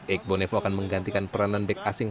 igbo nevo akan menggantikan peranan back asing